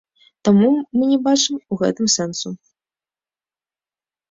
Таму мы не бачым у гэтым сэнсу.